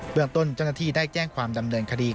เมืองต้นเจ้าหน้าที่ได้แจ้งความดำเนินคดี